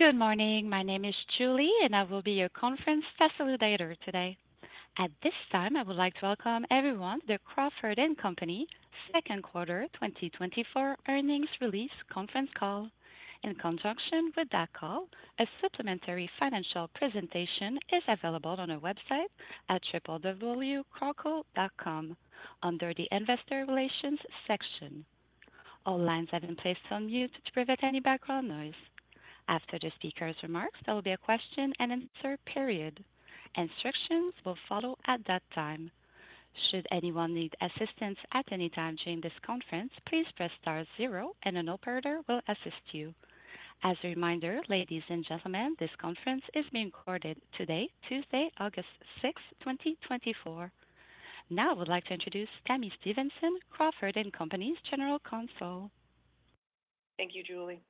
Good morning. My name is Julie, and I will be your conference facilitator today. At this time, I would like to welcome everyone to the Crawford & Company Second Quarter 2024 Earnings Release Conference Call. In conjunction with that call, a supplementary financial presentation is available on our website at www.crawco.com under the Investor Relations section. All lines have been placed on mute to prevent any background noise. After the speaker's remarks, there will be a question-and-answer period. Instructions will follow at that time. Should anyone need assistance at any time during this conference, please press star zero and an operator will assist you. As a reminder, ladies and gentlemen, this conference is being recorded today, Tuesday, August 6, 2024. Now I would like to introduce Tami Stevenson, Crawford & Company's General Counsel. Thank you, Julie.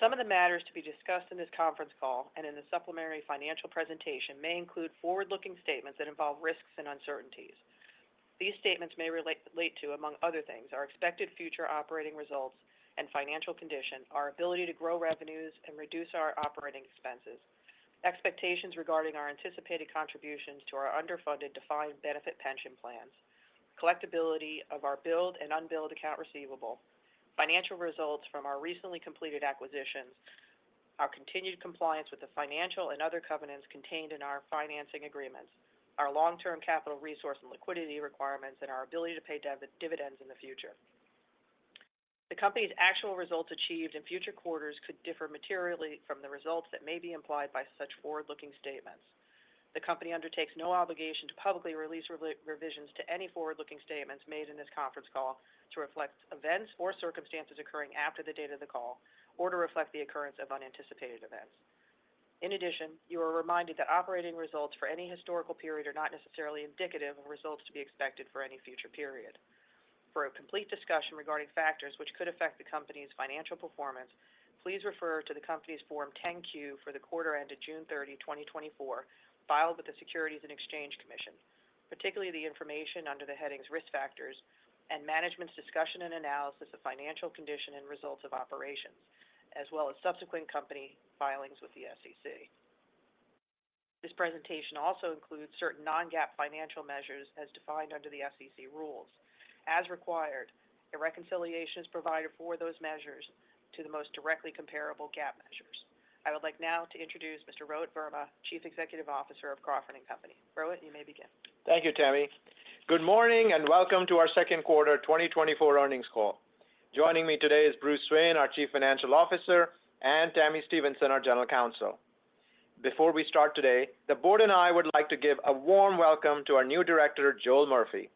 Some of the matters to be discussed in this conference call and in the supplementary financial presentation may include forward-looking statements that involve risks and uncertainties. These statements may relate to, among other things, our expected future operating results and financial condition, our ability to grow revenues and reduce our operating expenses, expectations regarding our anticipated contributions to our underfunded defined benefit pension plans, collectibility of our billed and unbilled accounts receivable, financial results from our recently completed acquisitions, our continued compliance with the financial and other covenants contained in our financing agreements, our long-term capital resource and liquidity requirements, and our ability to pay dividends in the future. The company's actual results achieved in future quarters could differ materially from the results that may be implied by such forward-looking statements. The Company undertakes no obligation to publicly release revisions to any forward-looking statements made in this conference call to reflect events or circumstances occurring after the date of the call or to reflect the occurrence of unanticipated events. In addition, you are reminded that operating results for any historical period are not necessarily indicative of results to be expected for any future period. For a complete discussion regarding factors which could affect the company's financial performance, please refer to the company's Form 10-Q for the quarter ended June 30, 2024, filed with the Securities and Exchange Commission, particularly the information under the headings Risk Factors and Management's Discussion and Analysis of Financial Condition and Results of Operations, as well as subsequent company filings with the SEC. This presentation also includes certain non-GAAP financial measures as defined under the SEC rules. As required, a reconciliation is provided for those measures to the most directly comparable GAAP measures. I would like now to introduce Mr. Rohit Verma, Chief Executive Officer of Crawford & Company. Rohit, you may begin. Thank you, Tami. Good morning, and welcome to our second quarter 2024 earnings call. Joining me today is Bruce Swain, our Chief Financial Officer, and Tami Stevenson, our General Counsel. Before we start today, the board and I would like to give a warm welcome to our new director, Joel Murphy.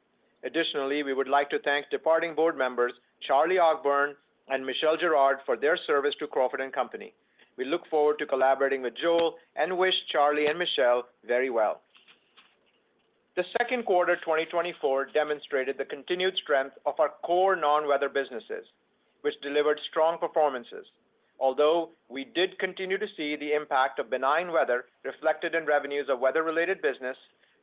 Additionally, we would like to thank departing board members Charlie Ogburn and Michelle Jarrard for their service to Crawford & Company. We look forward to collaborating with Joel and wish Charlie and Michelle very well. The second quarter 2024 demonstrated the continued strength of our core non-weather businesses, which delivered strong performances. Although we did continue to see the impact of benign weather reflected in revenues of weather-related business,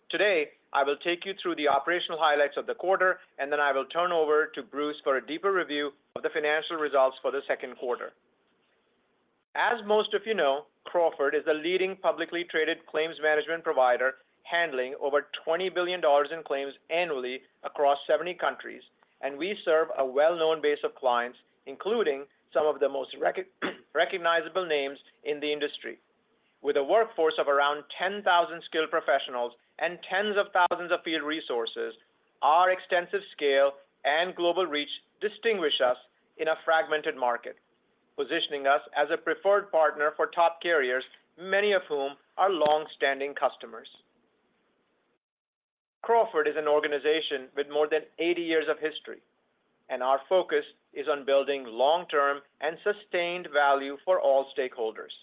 today, I will take you through the operational highlights of the quarter, and then I will turn over to Bruce for a deeper review of the financial results for the second quarter. As most of you know, Crawford is a leading publicly traded claims management provider, handling over $20 billion in claims annually across 70 countries, and we serve a well-known base of clients, including some of the most recognizable names in the industry. With a workforce of around 10,000 skilled professionals and tens of thousands of field resources, our extensive scale and global reach distinguish us in a fragmented market, positioning us as a preferred partner for top carriers, many of whom are long-standing customers. Crawford is an organization with more than 80 years of history, and our focus is on building long-term and sustained value for all stakeholders.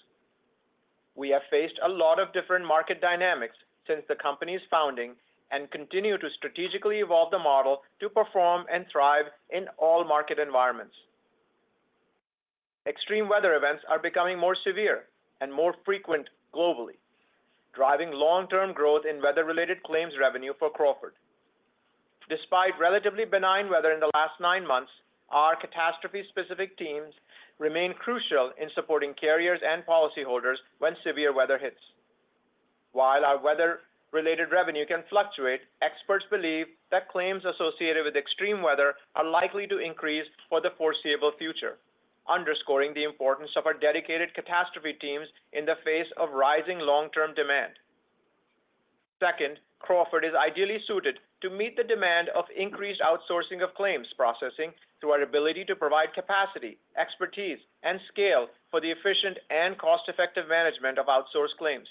We have faced a lot of different market dynamics since the company's founding and continue to strategically evolve the model to perform and thrive in all market environments. Extreme weather events are becoming more severe and more frequent globally, driving long-term growth in weather-related claims revenue for Crawford. Despite relatively benign weather in the last nine months, our catastrophe-specific teams remain crucial in supporting carriers and policyholders when severe weather hits. While our weather-related revenue can fluctuate, experts believe that claims associated with extreme weather are likely to increase for the foreseeable future, underscoring the importance of our dedicated catastrophe teams in the face of rising long-term demand. Second, Crawford is ideally suited to meet the demand of increased outsourcing of claims processing through our ability to provide capacity, expertise, and scale for the efficient and cost-effective management of outsourced claims.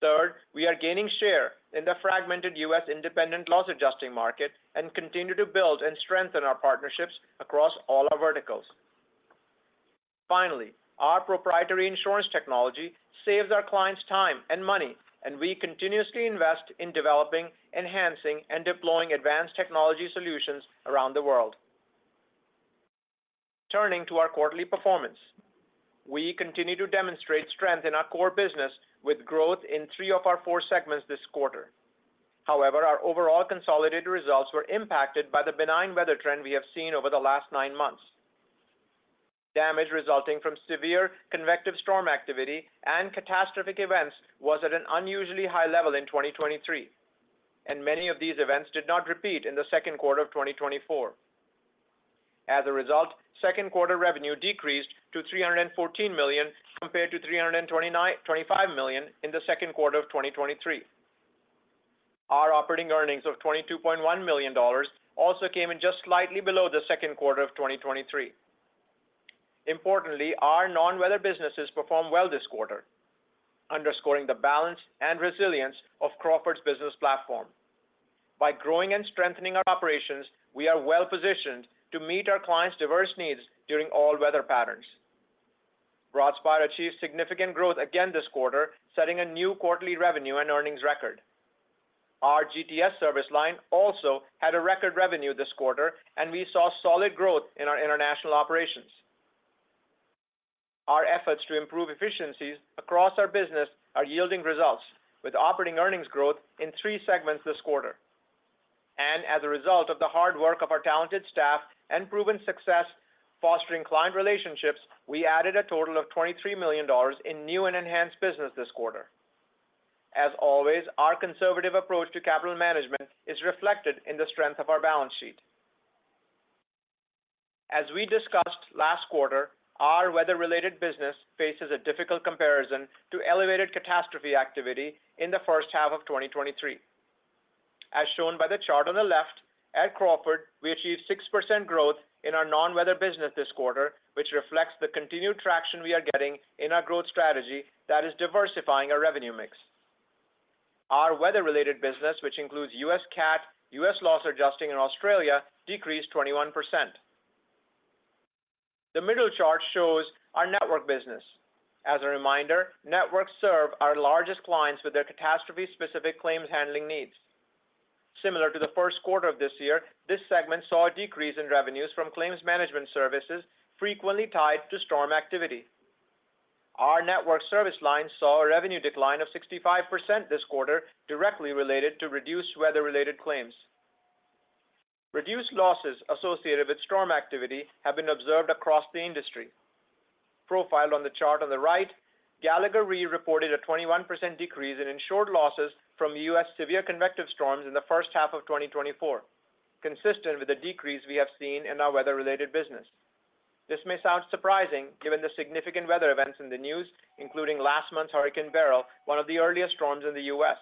Third, we are gaining share in the fragmented U.S. independent loss adjusting market and continue to build and strengthen our partnerships across all our verticals. Finally, our proprietary insurance technology saves our clients time and money, and we continuously invest in developing, enhancing, and deploying advanced technology solutions around the world. Turning to our quarterly performance, we continue to demonstrate strength in our core business with growth in three of our four segments this quarter. However, our overall consolidated results were impacted by the benign weather trend we have seen over the last nine months. Damage resulting from severe convective storm activity and catastrophic events was at an unusually high level in 2023, and many of these events did not repeat in the second quarter of 2024. As a result, second quarter revenue decreased to $314 million, compared to $329.25 million in the second quarter of 2023. Our operating earnings of $22.1 million also came in just slightly below the second quarter of 2023. Importantly, our non-weather businesses performed well this quarter, underscoring the balance and resilience of Crawford's business platform. By growing and strengthening our operations, we are well-positioned to meet our clients' diverse needs during all weather patterns. Broadspire achieved significant growth again this quarter, setting a new quarterly revenue and earnings record. Our GTS service line also had a record revenue this quarter, and we saw solid growth in our international operations. Our efforts to improve efficiencies across our business are yielding results, with operating earnings growth in three segments this quarter. As a result of the hard work of our talented staff and proven success fostering client relationships, we added a total of $23 million in new and enhanced business this quarter. As always, our conservative approach to capital management is reflected in the strength of our balance sheet. As we discussed last quarter, our weather-related business faces a difficult comparison to elevated catastrophe activity in the first half of 2023. As shown by the chart on the left, at Crawford, we achieved 6% growth in our non-weather business this quarter, which reflects the continued traction we are getting in our growth strategy that is diversifying our revenue mix. Our weather-related business, which includes U.S. CAT, U.S. Loss Adjusting and Australia, decreased 21%. The middle chart shows our network business. As a reminder, Networks serve our largest clients with their catastrophe-specific claims handling needs. Similar to the first quarter of this year, this segment saw a decrease in revenues from claims management services, frequently tied to storm activity. Our network service line saw a revenue decline of 65% this quarter, directly related to reduced weather-related claims. Reduced losses associated with storm activity have been observed across the industry. Profiled on the chart on the right, Gallagher Re reported a 21% decrease in insured losses from U.S. severe convective storms in the first half of 2024, consistent with the decrease we have seen in our weather-related business. This may sound surprising, given the significant weather events in the news, including last month's Hurricane Beryl, one of the earliest storms in the U.S.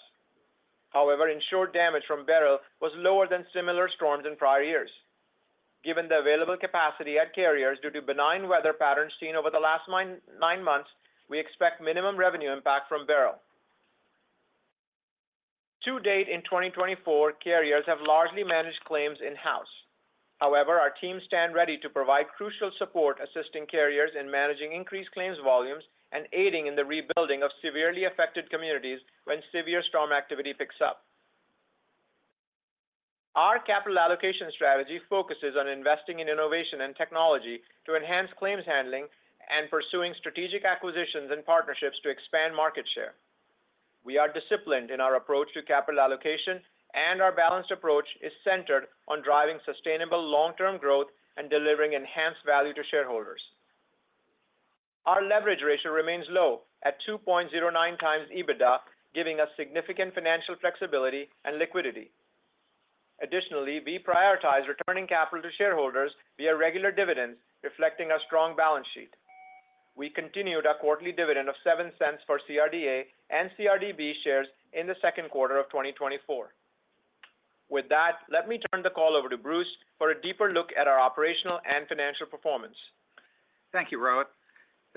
However, insured damage from Beryl was lower than similar storms in prior years. Given the available capacity at carriers due to benign weather patterns seen over the last nine months, we expect minimum revenue impact from Beryl. To date, in 2024, carriers have largely managed claims in-house. However, our teams stand ready to provide crucial support, assisting carriers in managing increased claims volumes and aiding in the rebuilding of severely affected communities when severe storm activity picks up. Our capital allocation strategy focuses on investing in innovation and technology to enhance claims handling and pursuing strategic acquisitions and partnerships to expand market share. We are disciplined in our approach to capital allocation, and our balanced approach is centered on driving sustainable long-term growth and delivering enhanced value to shareholders. Our leverage ratio remains low at 2.09x EBITDA, giving us significant financial flexibility and liquidity. Additionally, we prioritize returning capital to shareholders via regular dividends, reflecting a strong balance sheet. We continued our quarterly dividend of $0.07 for CRDA and CRDB shares in the second quarter of 2024. With that, let me turn the call over to Bruce for a deeper look at our operational and financial performance. Thank you, Rohit.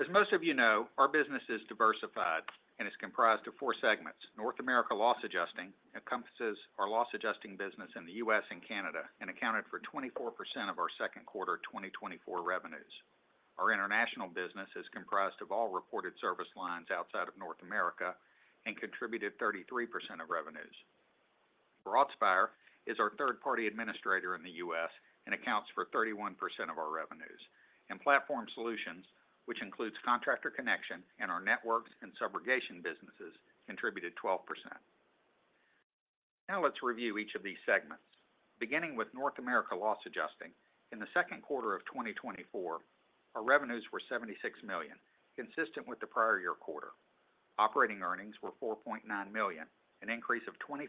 As most of you know, our business is diversified and is comprised of four segments. North America Loss Adjusting encompasses our loss adjusting business in the U.S. and Canada, and accounted for 24% of our second quarter 2024 revenues. Our international business is comprised of all reported service lines outside of North America and contributed 33% of revenues. Broadspire is our third-party administrator in the U.S. and accounts for 31% of our revenues. And Platform Solutions, which includes Contractor Connection and our Networks and subrogation businesses, contributed 12%. Now, let's review each of these segments. Beginning with North America Loss Adjusting. In the second quarter of 2024, our revenues were $76 million, consistent with the prior year quarter. Operating earnings were $4.9 million, an increase of 25%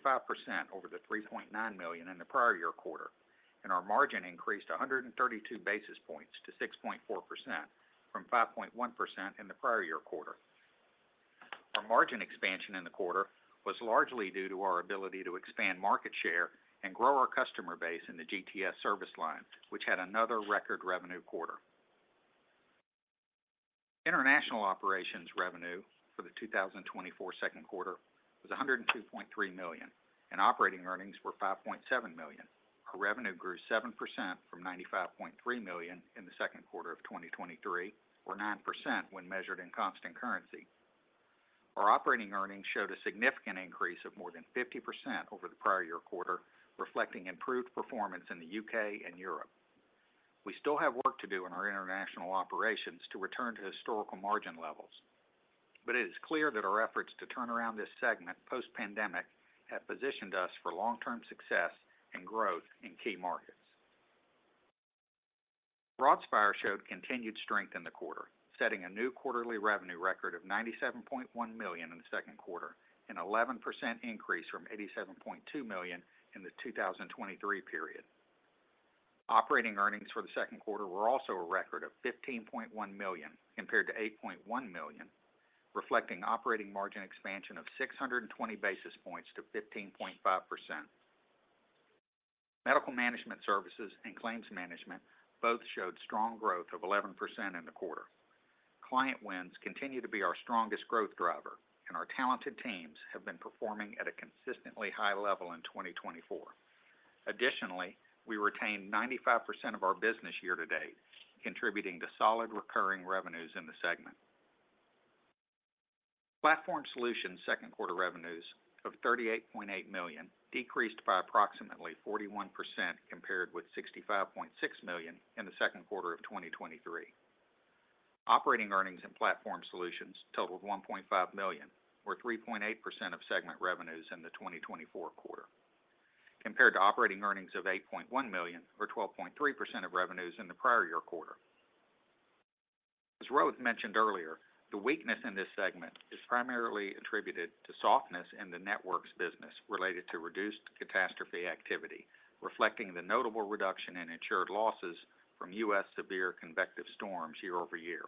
over the $3.9 million in the prior year quarter. Our margin increased 132 basis points to 6.4% from 5.1% in the prior year quarter. Our margin expansion in the quarter was largely due to our ability to expand market share and grow our customer base in the GTS service line, which had another record revenue quarter. International Operations revenue for the 2024 second quarter was $102.3 million, and operating earnings were $5.7 million. Our revenue grew 7% from $95.3 million in the second quarter of 2023, or 9% when measured in constant currency. Our operating earnings showed a significant increase of more than 50% over the prior year quarter, reflecting improved performance in the U.K. and Europe.... We still have work to do in our International Operations to return to historical margin levels. But it is clear that our efforts to turn around this segment post-pandemic have positioned us for long-term success and growth in key markets. Broadspire showed continued strength in the quarter, setting a new quarterly revenue record of $97.1 million in the second quarter, an 11% increase from $87.2 million in the 2023 period. Operating earnings for the second quarter were also a record of $15.1 million, compared to $8.1 million, reflecting operating margin expansion of 620 basis points to 15.5%. Medical Management Services and Claims Management both showed strong growth of 11% in the quarter. Client wins continue to be our strongest growth driver, and our talented teams have been performing at a consistently high level in 2024. Additionally, we retained 95% of our business year to date, contributing to solid recurring revenues in the segment. Platform Solutions second quarter revenues of $38.8 million decreased by approximately 41% compared with $65.6 million in the second quarter of 2023. Operating earnings in Platform Solutions totaled $1.5 million, or 3.8% of segment revenues in the 2024 quarter, compared to operating earnings of $8.1 million, or 12.3% of revenues in the prior year quarter. As Rohit mentioned earlier, the weakness in this segment is primarily attributed to softness in the Networks business related to reduced catastrophe activity, reflecting the notable reduction in insured losses from U.S. severe convective storms year-over-year.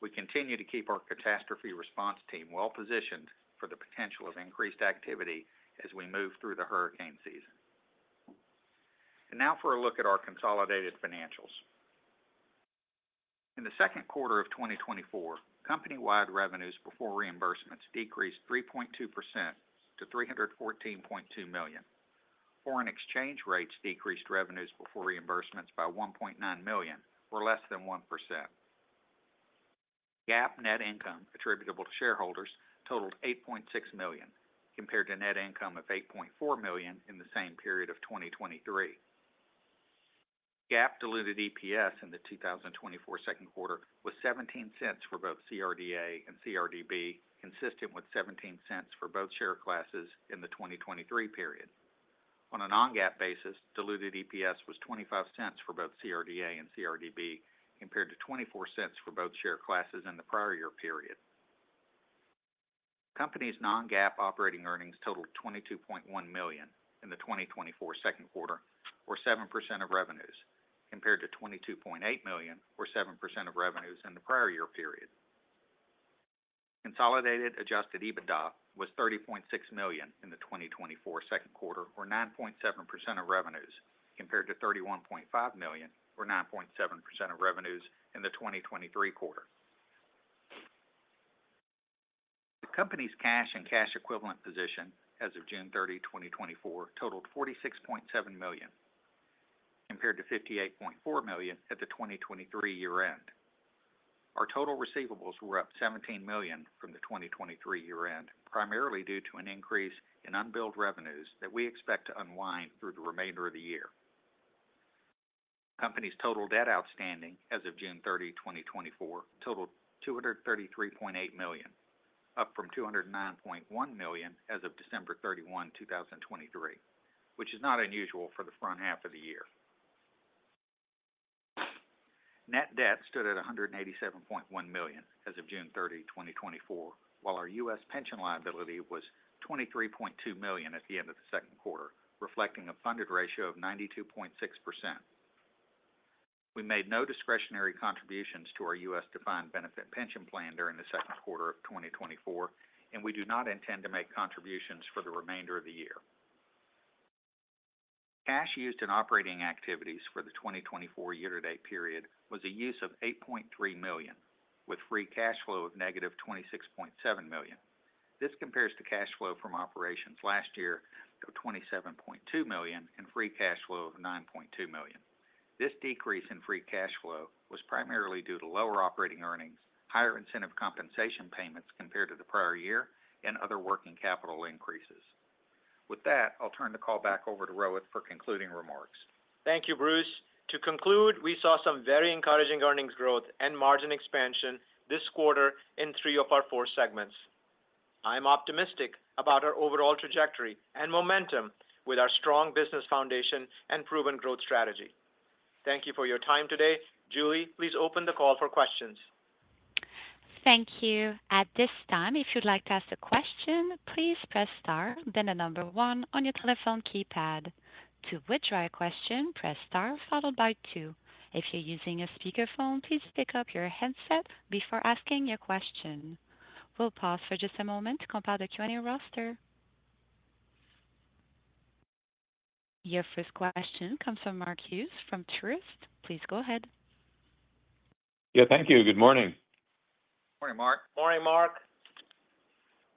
We continue to keep our catastrophe response team well-positioned for the potential of increased activity as we move through the hurricane season. And now for a look at our consolidated financials. In the second quarter of 2024, company-wide revenues before reimbursements decreased 3.2% to $314.2 million. Foreign exchange rates decreased revenues before reimbursements by $1.9 million, or less than 1%. GAAP net income attributable to shareholders totaled $8.6 million, compared to net income of $8.4 million in the same period of 2023. GAAP diluted EPS in the 2024 second quarter was $0.17 for both CRDA and CRDB, consistent with $0.17 for both share classes in the 2023 period. On a non-GAAP basis, diluted EPS was $0.25 for both CRDA and CRDB, compared to $0.24 for both share classes in the prior year period. Company's non-GAAP operating earnings totaled $22.1 million in the 2024 second quarter, or 7% of revenues, compared to $22.8 million, or 7% of revenues in the prior year period. Consolidated Adjusted EBITDA was $30.6 million in the 2024 second quarter, or 9.7% of revenues, compared to $31.5 million, or 9.7% of revenues in the 2023 quarter. The company's cash and cash equivalent position as of June 30, 2024, totaled $46.7 million, compared to $58.4 million at the 2023 year end. Our total receivables were up $17 million from the 2023 year end, primarily due to an increase in unbilled revenues that we expect to unwind through the remainder of the year. Company's total debt outstanding as of June 30, 2024, totaled $233.8 million, up from $209.1 million as of December 31, 2023, which is not unusual for the front half of the year. Net debt stood at $187.1 million as of June 30, 2024, while our U.S. pension liability was $23.2 million at the end of the second quarter, reflecting a funded ratio of 92.6%. We made no discretionary contributions to our U.S. defined benefit pension plan during the second quarter of 2024, and we do not intend to make contributions for the remainder of the year. Cash used in operating activities for the 2024 year-to-date period was a use of $8.3 million, with free cash flow of -$26.7 million. This compares to cash flow from operations last year to $27.2 million and free cash flow of $9.2 million. This decrease in free cash flow was primarily due to lower operating earnings, higher incentive compensation payments compared to the prior year, and other working capital increases. With that, I'll turn the call back over to Rohit for concluding remarks. Thank you, Bruce. To conclude, we saw some very encouraging earnings growth and margin expansion this quarter in three of our four segments. I'm optimistic about our overall trajectory and momentum with our strong business foundation and proven growth strategy. Thank you for your time today. Julie, please open the call for questions. Thank you. At this time, if you'd like to ask a question, please press star, then the number one on your telephone keypad. To withdraw your question, press star, followed by two. If you're using a speakerphone, please pick up your handset before asking your question. We'll pause for just a moment to compile the Q&A roster. Your first question comes from Mark Hughes from Truist. Please go ahead. Yeah, thank you. Good morning. Morning, Mark. Morning, Mark.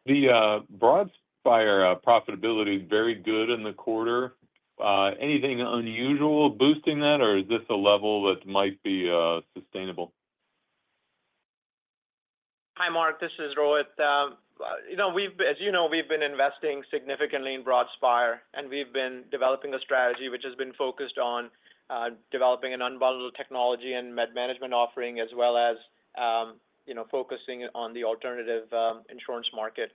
The Broadspire profitability is very good in the quarter. Anything unusual boosting that, or is this a level that might be sustainable?... Mark, this is Rohit. You know, we've, as you know, we've been investing significantly in Broadspire, and we've been developing a strategy which has been focused on developing an unbundled technology and med management offering, as well as, you know, focusing on the alternative insurance market.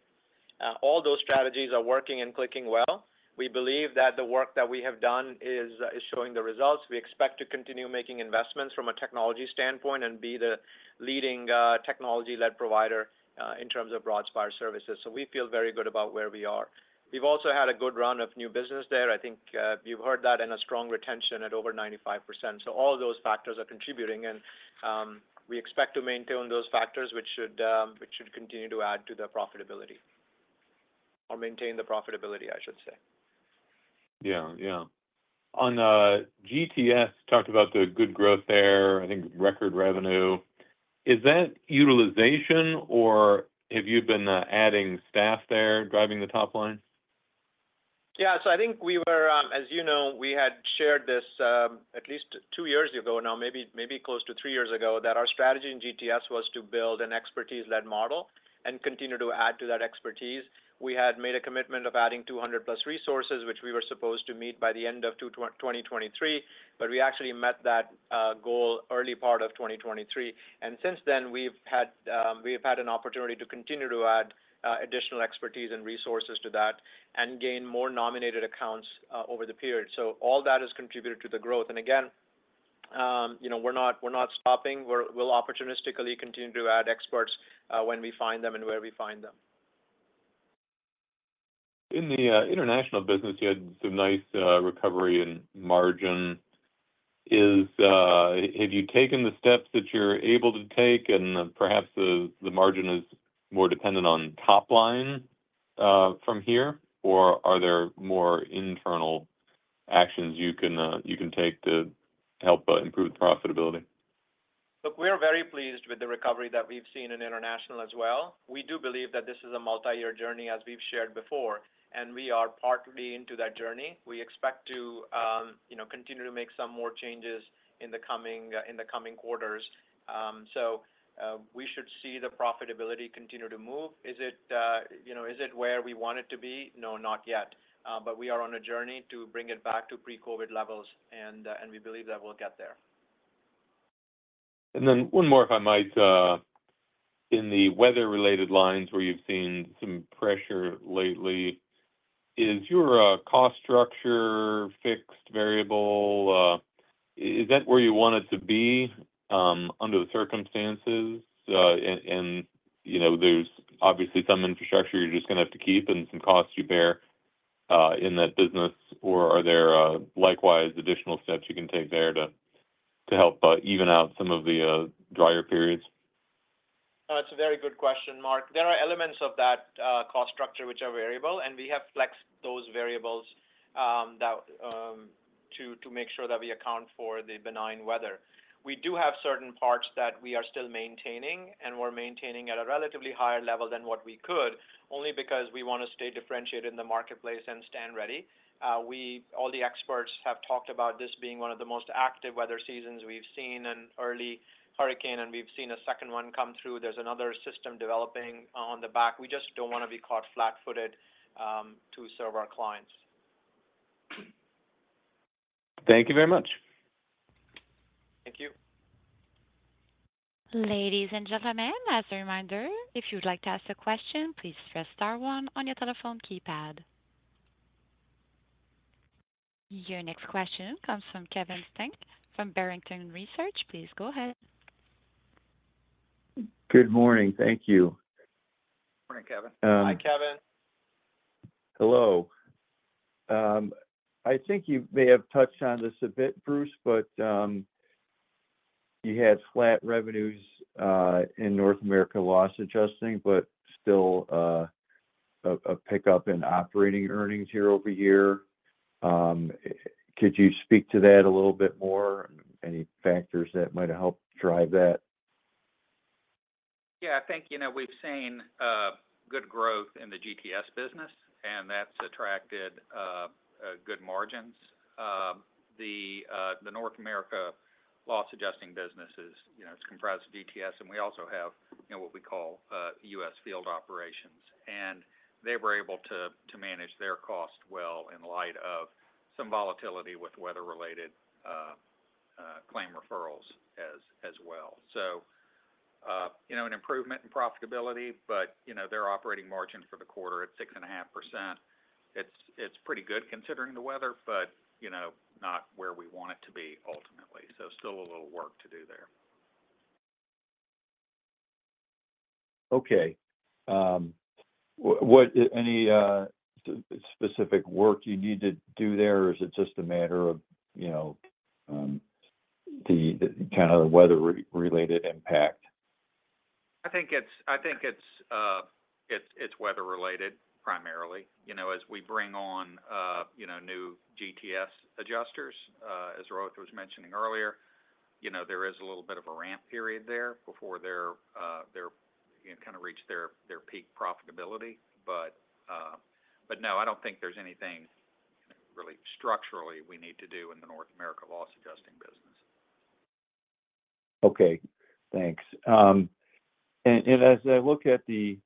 All those strategies are working and clicking well. We believe that the work that we have done is showing the results. We expect to continue making investments from a technology standpoint and be the leading technology-led provider in terms of Broadspire services. So we feel very good about where we are. We've also had a good run of new business there. I think you've heard that in a strong retention at over 95%. So all those factors are contributing, and we expect to maintain those factors, which should continue to add to the profitability. Or maintain the profitability, I should say. Yeah, yeah. On GTS, talked about the good growth there, I think record revenue. Is that utilization, or have you been adding staff there, driving the top line? Yeah, so I think we were. As you know, we had shared this, at least two years ago now, maybe, maybe close to three years ago, that our strategy in GTS was to build an expertise-led model and continue to add to that expertise. We had made a commitment of adding 200+ resources, which we were supposed to meet by the end of 2023, but we actually met that goal early part of 2023. And since then, we've had, we have had an opportunity to continue to add additional expertise and resources to that, and gain more nominated accounts over the period. So all that has contributed to the growth. And again, you know, we're not, we're not stopping. We'll opportunistically continue to add experts when we find them and where we find them. In the international business, you had some nice recovery in margin. Is... Have you taken the steps that you're able to take, and perhaps the margin is more dependent on top line from here? Or are there more internal actions you can you can take to help improve profitability? Look, we are very pleased with the recovery that we've seen in international as well. We do believe that this is a multi-year journey, as we've shared before, and we are partly into that journey. We expect to, you know, continue to make some more changes in the coming quarters. So, we should see the profitability continue to move. Is it, you know, is it where we want it to be? No, not yet. But we are on a journey to bring it back to pre-COVID levels, and we believe that we'll get there. And then one more, if I might. In the weather-related lines, where you've seen some pressure lately, is your cost structure, fixed, variable, is that where you want it to be, under the circumstances? And, you know, there's obviously some infrastructure you're just gonna have to keep and some costs you bear in that business, or are there likewise, additional steps you can take there to help even out some of the drier periods? It's a very good question, Mark. There are elements of that cost structure which are variable, and we have flexed those variables to make sure that we account for the benign weather. We do have certain parts that we are still maintaining, and we're maintaining at a relatively higher level than what we could, only because we want to stay differentiated in the marketplace and stand ready. All the experts have talked about this being one of the most active weather seasons we've seen, an early hurricane, and we've seen a second one come through. There's another system developing on the back. We just don't want to be caught flat-footed to serve our clients. Thank you very much. Thank you. Ladies and gentlemen, as a reminder, if you'd like to ask a question, please press star one on your telephone keypad. Your next question comes from Kevin Steinke from Barrington Research. Please go ahead. Good morning. Thank you. Morning, Kevin. Hi, Kevin. Hello. I think you may have touched on this a bit, Bruce, but you had flat revenues in North America Loss Adjusting, but still a pickup in operating earnings year-over-year. Could you speak to that a little bit more? Any factors that might have helped drive that? Yeah, I think, you know, we've seen good growth in the GTS business, and that's attracted good margins. The North America Loss Adjusting business is, you know, it's comprised of GTS, and we also have, you know, what we call U.S. Field Operations. And they were able to manage their cost well in light of some volatility with weather-related claim referrals as well. So, you know, an improvement in profitability, but, you know, their operating margin for the quarter at 6.5%. It's pretty good considering the weather, but, you know, not where we want it to be ultimately. So still a little work to do there. Okay, what, any specific work you need to do there, or is it just a matter of, you know, the kind of the weather related impact? I think it's weather-related, primarily. You know, as we bring on, you know, new GTS adjusters, as Rohit was mentioning earlier, you know, there is a little bit of a ramp period there before they're, you know, kind of reach their peak profitability. But-... But no, I don't think there's anything really structurally we need to do in the North America Loss Adjusting business. Okay, thanks. And as I look at the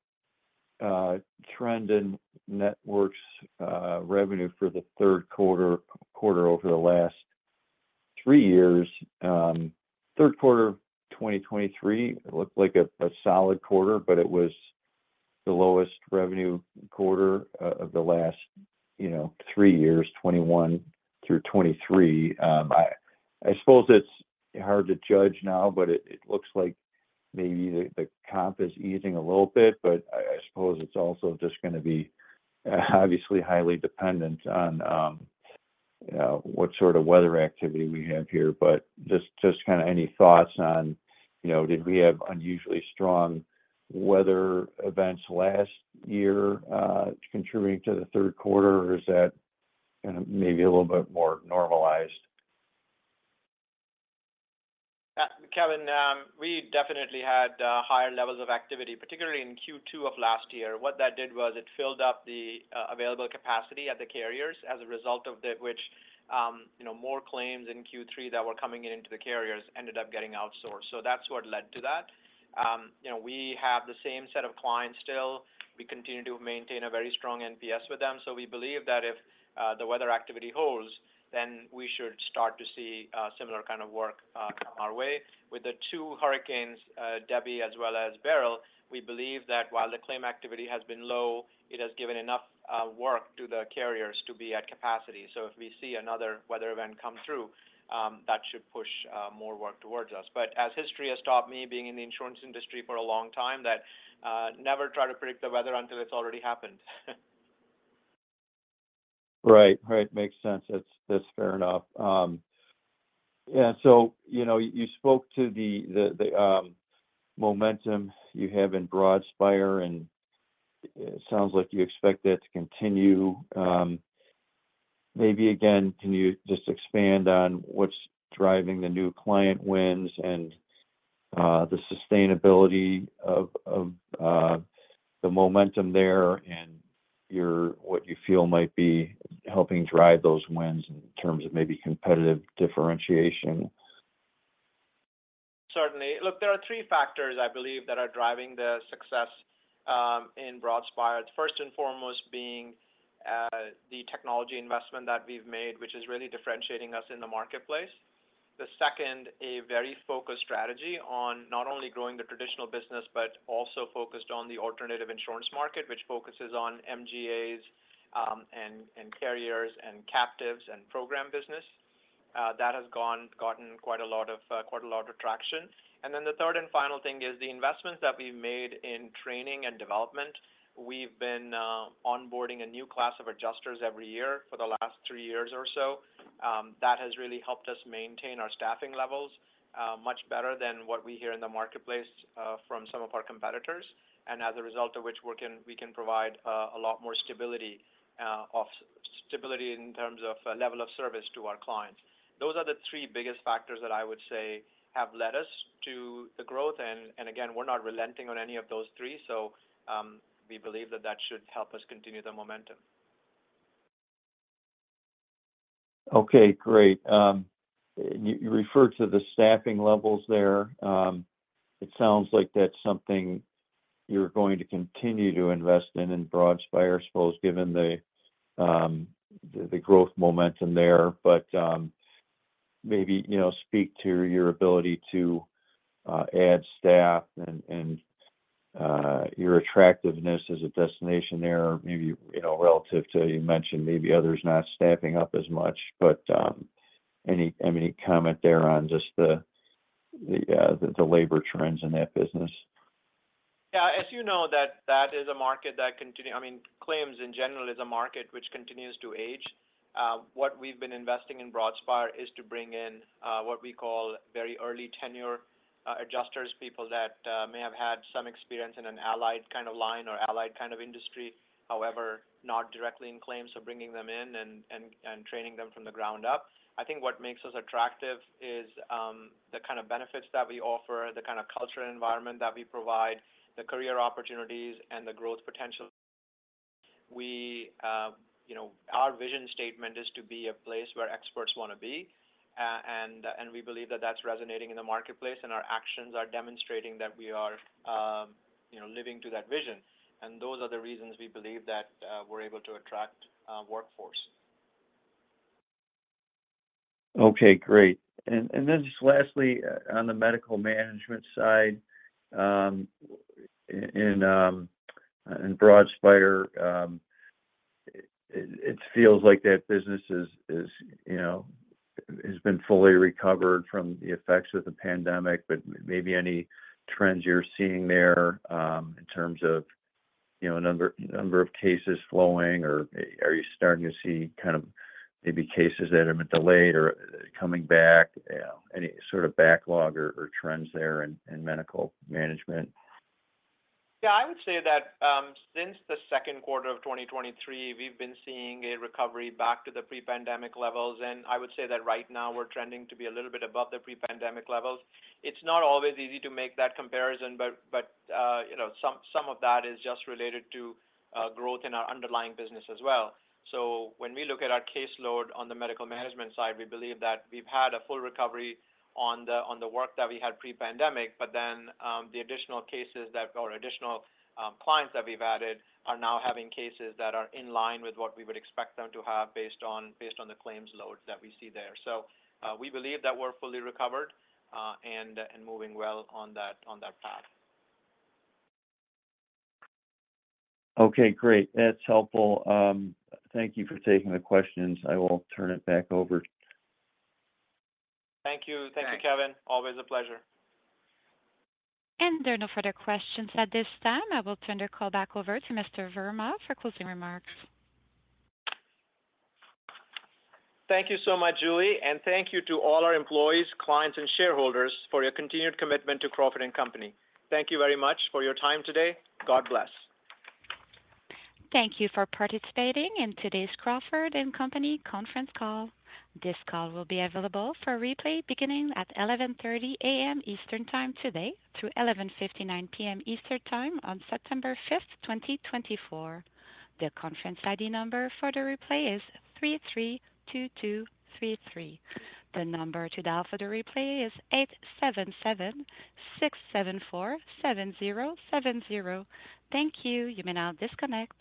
trend in Networks revenue for the third quarter over the last three years, third quarter of 2023, it looked like a solid quarter, but it was the lowest revenue quarter of the last, you know, three years, 2021 through 2023. I suppose it's hard to judge now, but it looks like maybe the comp is easing a little bit, but I suppose it's also just gonna be obviously highly dependent on what sort of weather activity we have here. But just kinda any thoughts on, you know, did we have unusually strong weather events last year contributing to the third quarter, or is that kind of maybe a little bit more normalized? Kevin, we definitely had higher levels of activity, particularly in Q2 of last year. What that did was it filled up the available capacity at the carriers, as a result of which, you know, more claims in Q3 that were coming into the carriers ended up getting outsourced. So that's what led to that. You know, we have the same set of clients still. We continue to maintain a very strong NPS with them, so we believe that if the weather activity holds, then we should start to see similar kind of work come our way. With the two hurricanes, Debby as well as Beryl, we believe that while the claim activity has been low, it has given enough work to the carriers to be at capacity. So if we see another weather event come through, that should push more work towards us. But as history has taught me, being in the insurance industry for a long time, that never try to predict the weather until it's already happened. Right. Right, makes sense. That's, that's fair enough. Yeah, so, you know, you spoke to the momentum you have in Broadspire, and it sounds like you expect that to continue. Maybe again, can you just expand on what's driving the new client wins and the sustainability of the momentum there and your... What you feel might be helping drive those wins in terms of maybe competitive differentiation? Certainly. Look, there are three factors I believe that are driving the success in Broadspire. First and foremost being the technology investment that we've made, which is really differentiating us in the marketplace. The second, a very focused strategy on not only growing the traditional business, but also focused on the alternative insurance market, which focuses on MGAs and carriers and captives and program business. That has gotten quite a lot of quite a lot of traction. And then the third and final thing is the investments that we've made in training and development. We've been onboarding a new class of adjusters every year for the last three years or so. That has really helped us maintain our staffing levels much better than what we hear in the marketplace from some of our competitors, and as a result of which we can provide a lot more stability of stability in terms of level of service to our clients. Those are the three biggest factors that I would say have led us to the growth, and again, we're not relenting on any of those three, so we believe that that should help us continue the momentum. Okay, great. You referred to the staffing levels there. It sounds like that's something you're going to continue to invest in, in Broadspire, I suppose, given the growth momentum there. But maybe, you know, speak to your ability to add staff and your attractiveness as a destination there, maybe, you know, relative to, you mentioned maybe others not staffing up as much. But any comment there on just the labor trends in that business? Yeah, as you know, that is a market. I mean, claims in general is a market which continues to age. What we've been investing in Broadspire is to bring in, what we call very early tenure, adjusters, people that may have had some experience in an allied kind of line or allied kind of industry, however, not directly in claims. So bringing them in and training them from the ground up. I think what makes us attractive is, the kind of benefits that we offer, the kind of cultural environment that we provide, the career opportunities, and the growth potential. We, you know, our vision statement is to be a place where experts want to be, and we believe that that's resonating in the marketplace, and our actions are demonstrating that we are, you know, living to that vision. Those are the reasons we believe that we're able to attract workforce. Okay, great. And then just lastly, on the medical management side, in Broadspire, it feels like that business is, you know, fully recovered from the effects of the pandemic, but maybe any trends you're seeing there, in terms of, you know, number of cases flowing, or are you starting to see kind of maybe cases that have been delayed or coming back, any sort of backlog or trends there in medical management? Yeah, I would say that since the second quarter of 2023, we've been seeing a recovery back to the pre-pandemic levels, and I would say that right now we're trending to be a little bit above the pre-pandemic levels. It's not always easy to make that comparison, but you know, some of that is just related to growth in our underlying business as well. So when we look at our caseload on the medical management side, we believe that we've had a full recovery on the work that we had pre-pandemic, but then the additional clients that we've added are now having cases that are in line with what we would expect them to have based on the claims load that we see there. So, we believe that we're fully recovered and moving well on that path. Okay, great. That's helpful. Thank you for taking the questions. I will turn it back over. Thank you. Thanks. Thank you, Kevin. Always a pleasure. There are no further questions at this time. I will turn the call back over to Mr. Verma for closing remarks. Thank you so much, Julie, and thank you to all our employees, clients, and shareholders for your continued commitment to Crawford & Company. Thank you very much for your time today. God bless. Thank you for participating in today's Crawford & Company conference call. This call will be available for replay beginning at 11:30 A.M. Eastern Time today through 11:59 P.M. Eastern Time on September 5th, 2024. The conference ID number for the replay is 332233. The number to dial for the replay is 877-674-7070. Thank you. You may now disconnect.